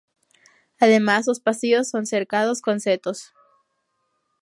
Además sus pasillos son cercados con setos.